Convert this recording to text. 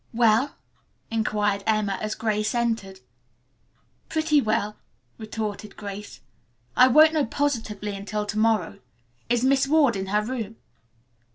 "Well?" inquired Emma as Grace entered. "Pretty well," retorted Grace. "I won't know positively until to morrow. Is Miss Ward in her room?"